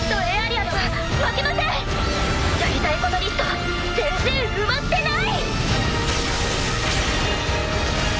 やりたいことリスト全然埋まってない！